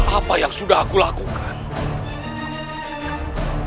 apa yang sudah aku lakukan